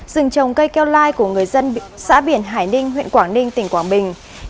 rừng trồng cây keo lai của người dân xã biển hải ninh huyện quảng ninh tỉnh quảng bình